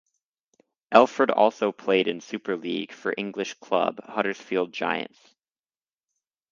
Elford also played in Super League for English club, Huddersfield Giants.